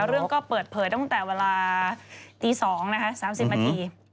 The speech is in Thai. เรื่องก็เปิดเผยตั้งแต่เวลาตี๒นะคะ๓๐นาที